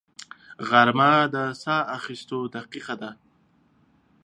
غرمه د ساه اخیستو دقیقه ده